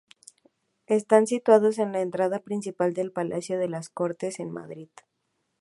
Están situados en la entrada principal del Palacio de las Cortes, en Madrid.